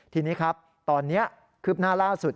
ทีนี้ครับตอนนี้คืบหน้าล่าสุด